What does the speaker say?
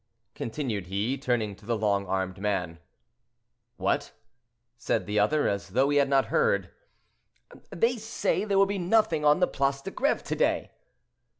continued he, turning to the long armed man.—"What?" said the other, as though he had not heard. "They say there will be nothing on the Place de Greve to day."